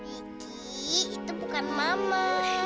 ibu itu bukan mama